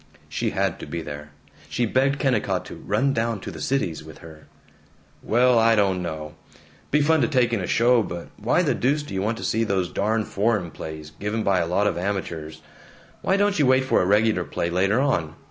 She had to be there! She begged Kennicott to "run down to the Cities" with her. "Well, I don't know. Be fun to take in a show, but why the deuce do you want to see those darn foreign plays, given by a lot of amateurs? Why don't you wait for a regular play, later on?